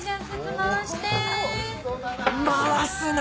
回すな！